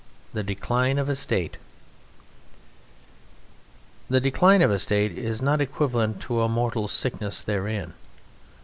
The Decline of a State The decline of a State is not equivalent to a mortal sickness therein.